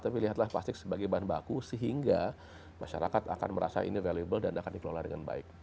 tapi lihatlah plastik sebagai bahan baku sehingga masyarakat akan merasa ini valiable dan akan dikelola dengan baik